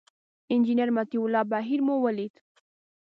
انجینر مطیع الله بهیر مو ولید.